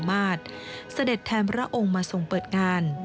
สาเด็จแทนพระองค์มองงค์มาส่งปิดงาน